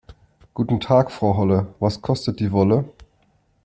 Guten Tag Frau Holle, was kostet die Wolle?